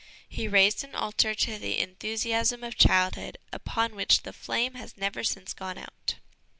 He raised an altar to the enthusiasm of childhood upon which the flame has never since gone out.